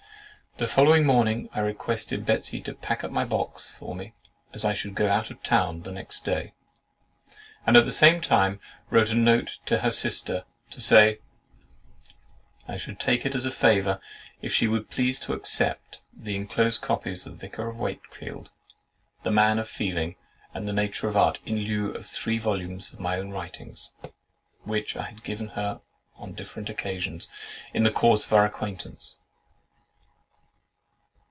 The following morning I requested Betsey to pack up my box for me, as I should go out of town the next day, and at the same time wrote a note to her sister to say, I should take it as a favour if she would please to accept of the enclosed copies of the Vicar of Wakefield, The Man of Feeling and Nature and Art, in lieu of three volumes of my own writings, which I had given her on different occasions, in the course of our acquaintance.